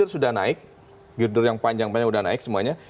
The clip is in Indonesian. sudah naik girder yang panjang panjang sudah naik semuanya